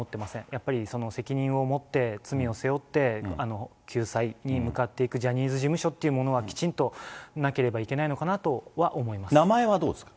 やっぱり責任を持って、罪を背負って、救済に向かっていくジャニーズ事務所っていうものがきちんとなければいけないのかなと名前はどうですか？